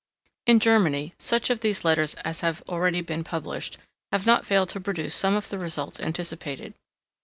In Germany, such of these Letters as have been already published, have not failed to produce some of the results anticipated.